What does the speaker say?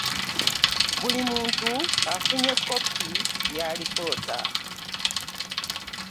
Buli muntu afunye kkopi y'alipoota.